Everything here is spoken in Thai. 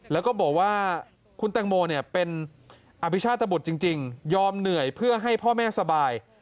แล้วก็บอกว่าคุณแตงโมเป็นอภิชาตบุตรจริงยอมเหนื่อยเพื่อให้พ่อแม่สบาย